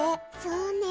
そうね。